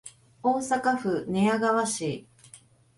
大阪府寝屋川市